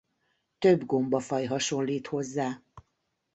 Több gombafaj hasonlít hozzá.